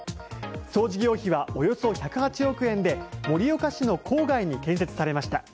総事業費はおよそ１０８億円で盛岡市の郊外に建設されました。